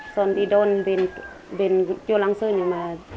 son đi đoàn bên bên vùng châu lăng sơn nhưng mà